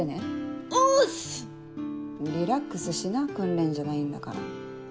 リラックスしな訓練じゃないんだから。